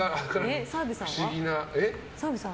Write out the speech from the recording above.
澤部さんは？